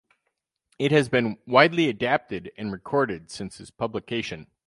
It has been widely adapted and recorded since its publication.